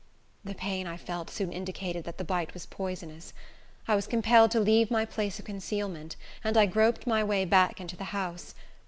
The pain I felt soon indicated that the bite was poisonous. I was compelled to leave my place of concealment, and I groped my way back into the house.